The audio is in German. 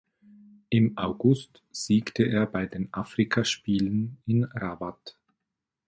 Im August siegte er bei den Afrikaspielen in Rabat.